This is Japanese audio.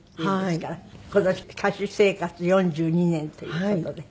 今年歌手生活４２年という事で。